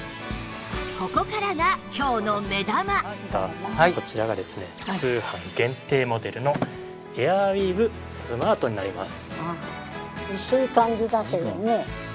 でもこちらがですね通販限定モデルのエアウィーヴスマートになります。